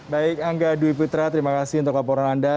baik angga dwi putra terima kasih untuk laporan anda